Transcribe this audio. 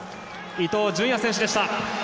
伊東純也選手でした。